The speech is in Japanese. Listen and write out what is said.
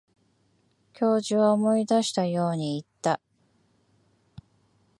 教授は思い出したように言った。